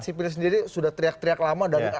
sipil sendiri sudah teriak teriak lama dari